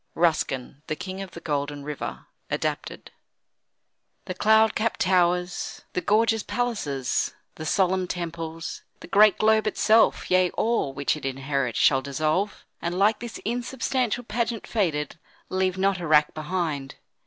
RUSKIN: "The King of the Golden River." (Adapted) The cloud capp'd towers, the gorgeous palaces, The solemn temples, the great globe itself, Yea, all which it inherit, shall dissolve; And, like this insubstantial pageant faded, Leave not a rack behind.